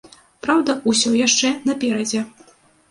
Праўда, усё яшчэ наперадзе.